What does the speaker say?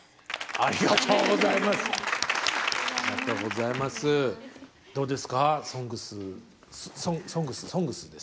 ありがとうございます。